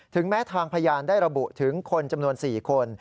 แม้ทางพยานได้ระบุถึงคนจำนวน๔คน